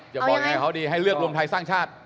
บอกยังไงเขาดีให้เลือกรวมไทยสร้างชาติ